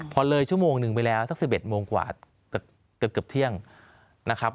พอเลยชั่วโมงหนึ่งไปแล้วสัก๑๑โมงกว่าเกือบเที่ยงนะครับ